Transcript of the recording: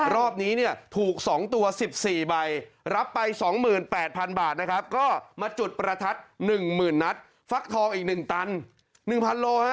รอบนี้เนี่ยถูก๒ตัว๑๔ใบรับไป๒๘๐๐๐บาทนะครับก็มาจุดประทัด๑๐๐๐นัดฟักทองอีก๑ตัน๑๐๐โล